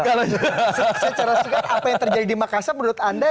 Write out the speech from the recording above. saya cara cara apa yang terjadi di makassar menurut anda